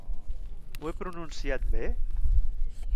Ho he pronunciat bé?